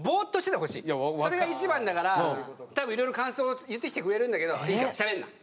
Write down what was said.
それが一番だから多分いろいろ感想を言ってきてくれるんだけど「いいからしゃべんな。